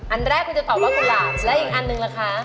อันแรกคุณจะตอบว่ากุหลาบและอีกอันหนึ่งล่ะคะ